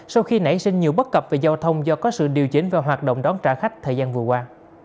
sau khi nảy sinh nhiều bất cập về giao thông do có sự điều chỉnh và hoạt động đón trả khách thời gian vừa qua